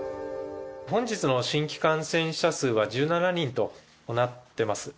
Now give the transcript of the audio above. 本日の新規感染者数は１７人となってます。